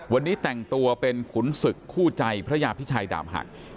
วันนี้แต่งตัวเป็นขุนศึกคู่ใจพระยาพิชัยดามหัก